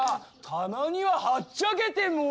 たまにははっちゃけても？